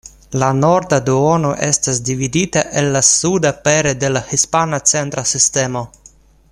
La norda duono estas dividita el la suda pere de la Hispana Centra Sistemo.